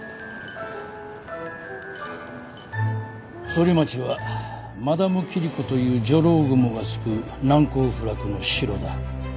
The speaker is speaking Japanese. ソリマチはマダムキリコというジョロウグモが巣くう難攻不落の城だ。